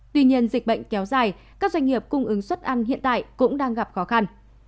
tuy nhiên dịch bệnh kéo dài các doanh nghiệp cung ứng suất ăn hiện tại cũng đang gặp khó khăn